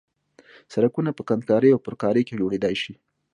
سرکونه په کندنکارۍ او پرکارۍ کې جوړېدای شي